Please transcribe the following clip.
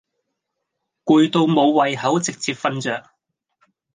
攰到無胃口直接瞓著